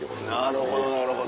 なるほどなるほど。